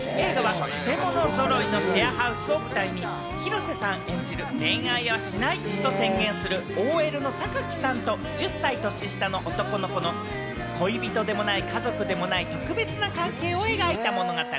映画はくせ者揃いのシェアハウスを舞台に、広瀬さん演じる恋愛をしないと宣言するＯＬの榊さんと、１０歳年下の男の子の恋人でも家族でもない特別な関係を描いた物語。